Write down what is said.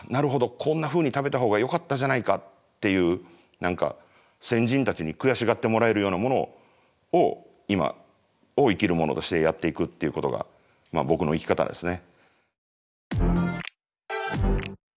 こんなふうに食べたほうがよかったじゃないか」っていう何か先人たちに悔しがってもらえるようなものをいまを生きる者としてやっていくっていうことが僕の生き方ですね。